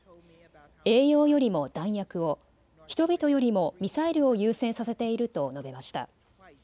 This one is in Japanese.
栄養よりも弾薬を、人々よりもミサイルを優先させていると述べました。